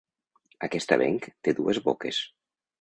Aquest avenc té dues boques.